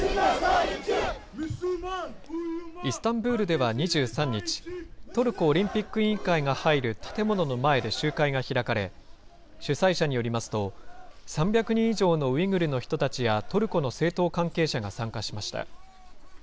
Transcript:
イスタンブールでは２３日、トルコオリンピック委員会が入る建物の前で集会が開かれ、主催者によりますと、３００人以上のウイグルの人たちや、トルコの政党関係者が参加しました。